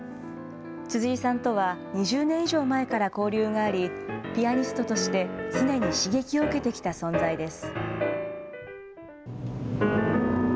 辻井さんとは２０年以上前から交流があり、ピアニストとして常に刺激を受けてきた存在です。